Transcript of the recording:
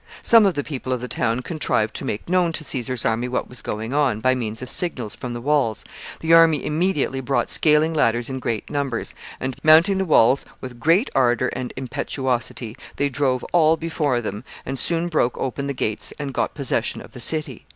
Some of the people of the town contrived to make known to Caesar's army what was going on, by means of signals from the walls; the army immediately brought scaling ladders in great numbers, and, mounting the walls with great ardor and impetuosity, they drove all before them, and soon broke open the gates and got possession of the city.